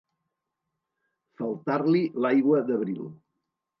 Faltar-li l'aigua d'abril.